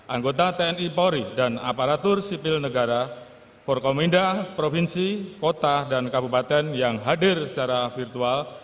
anggota tni polri dan aparatur sipil negara forkominda provinsi kota dan kabupaten yang hadir secara virtual